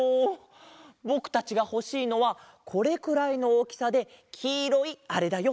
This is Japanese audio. ぼくたちがほしいのはこれくらいのおおきさできいろいあれだよ。